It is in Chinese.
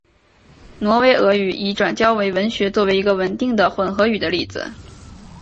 挪威俄语已转交文学作为一个稳定的混合语的例子。